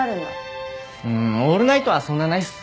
うーんオールナイトはそんなないっす。